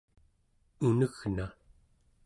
unegna